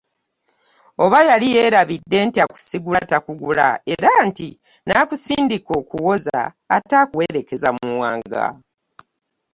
Oba yali yeerabidde nti akusigula takugula era nti n'akusindika okuwoza ate akuwerekeza Muwanga?